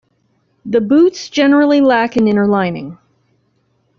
The boots generally lack an inner lining.